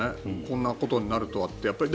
本当にこんなことになるとはって。